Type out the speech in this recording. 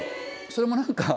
それも何か。